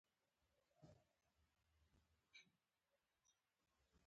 احمد تل په ناحقه سرتنبه کوي په وچ زور غلطه خبره په خلکو مني.